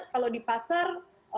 kalau di pasar